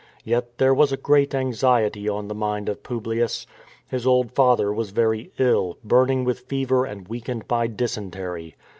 Yet there was a great anxiety on the mind of Publius. His old father was very ill; burning with fever and weakened by dysentery.